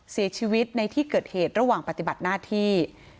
เสียชีวิตในที่เกิดเหตุระหว่างปฏิบัติหน้าที่